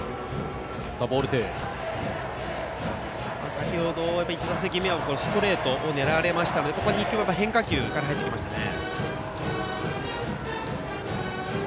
先程１打席目はストレートを狙われましたのでここ２球は変化球から入ってきましたね。